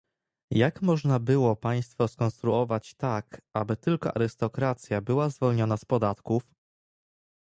Jak można było państwo skonstruować tak, aby tylko arystokracja była zwolniona z podatków?